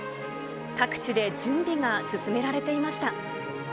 各地で準備が進められていました。